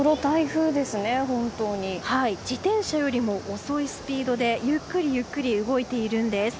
自転車よりも遅いスピードでゆっくり動いているんです。